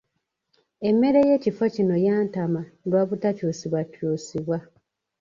Emmere y'ekifo kino yantama lwa butakyusibwa kyusibwa.